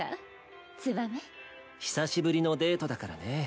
久しぶりのデートだからね。